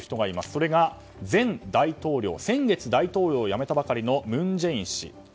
それが、前大統領先月大統領を辞めたばかりの文在寅氏。